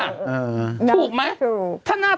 มันเหมือนอ่ะ